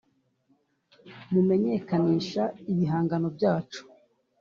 mumenyekanisha ibihangano byacu